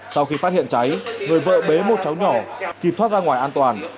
sau khi phát hiện cháy người vợ bế một cháu nhỏ kịp thoát ra ngoài an toàn